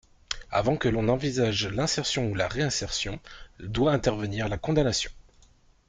Avant que l’on n’envisage l’insertion ou la réinsertion, doit intervenir la condamnation.